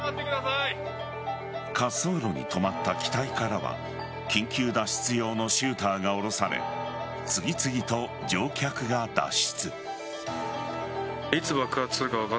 滑走路に止まった機体からは緊急脱出用のシューターが降ろされ次々と乗客が脱出。